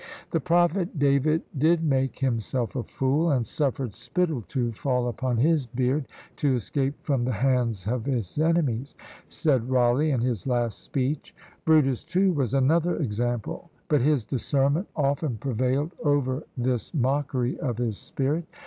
"The prophet David did make himself a fool, and suffered spittle to fall upon his beard, to escape from the hands of his enemies," said Rawleigh in his last speech. Brutus, too, was another example. But his discernment often prevailed over this mockery of his spirit.